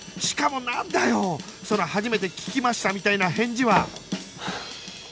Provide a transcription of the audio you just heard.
しかもなんだよその初めて聞きましたみたいな返事は